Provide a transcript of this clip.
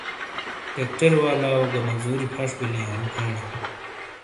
ٹریکٹر والاؤ گہ مَزُوری فَش بِیلی انو کھینی۔